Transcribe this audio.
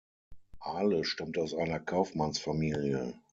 Ahle stammte aus einer Kaufmannsfamilie.